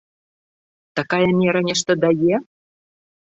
Такая мера нешта дае?